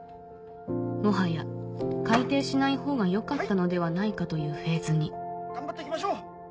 もはや改訂しないほうがよかったのではないかというフェーズに頑張って行きましょう！